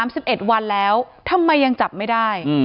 อเจมส์๓๑วันแล้วทำไมยังจับไม่ได้